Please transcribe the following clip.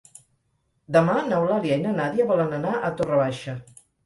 Demà n'Eulàlia i na Nàdia volen anar a Torre Baixa.